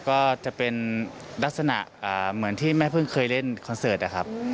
ก็จะเป็นลักษณะเหมือนที่แม่เพิ่งเคยเล่นคอนเสิร์ตนะครับ